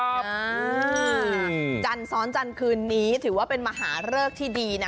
จันทร์ซ้อนจันทร์คืนนี้ถือว่าเป็นมหาเลิกที่ดีนะ